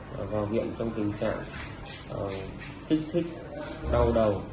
vào viện trong tình trạng tích thích đau đầu